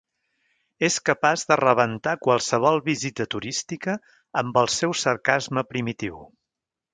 És capaç de rebentar qualsevol visita turística amb el seu sarcasme primitiu.